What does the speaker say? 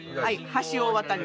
橋を渡る。